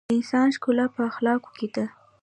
د انسان ښکلا په اخلاقو ده.